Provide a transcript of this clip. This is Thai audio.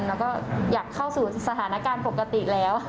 แล้วก็อยากเข้าสู่สถานการณ์ปกติแล้ว